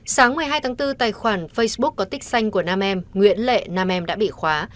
sáng một mươi hai tháng bốn tài khoản facebook có tích xanh của nam em nguyễn lệ nam em đã bị khóa